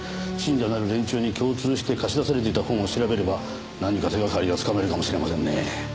信者なる連中に共通して貸し出されていた本を調べれば何か手掛かりがつかめるかもしれませんね。